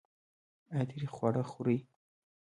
ایا تریخ خواړه خورئ؟